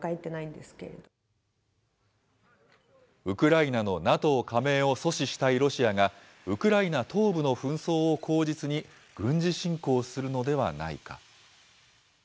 ウクライナのＮＡＴＯ加盟を阻止したいロシアが、ウクライナ東部の紛争を口実に、軍事侵攻するのではないか。